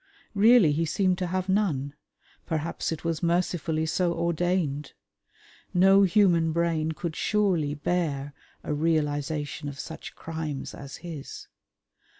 Really he seemed to have none; perhaps it was mercifully so ordained. No human brain could surely bear a realisation of such crimes as his.